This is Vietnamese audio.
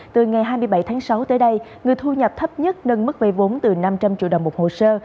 từ ngày hai mươi bảy tháng sáu tới đây người thu nhập thấp nhất nâng mức vây vốn từ năm trăm linh triệu đồng một hồ sơ